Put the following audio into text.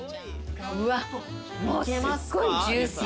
うわっもうすごいジューシー。